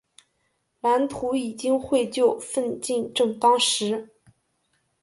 蓝图已经绘就，奋进正当时。